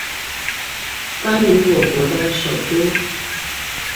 關於我國的首都